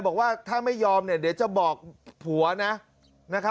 บอกว่าถ้าไม่ยอมเดี๋ยวจะบอกผัวนะ